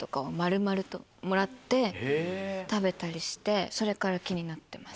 食べたりしてそれから気になってます。